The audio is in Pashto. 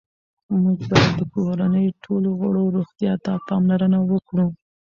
موږ باید د کورنۍ ټولو غړو روغتیا ته پاملرنه وکړو